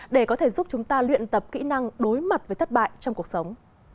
để có thể giúp chúng ta luyện tập kỹ năng đối mặt với thất bại trong cuộc sống